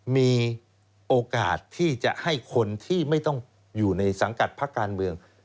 มีโอกาสที่จะให้คนที่ไม่ต้องอยู่ในสังกัดพักการเมือง